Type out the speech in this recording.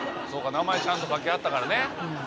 名前ちゃんと書きはったからね」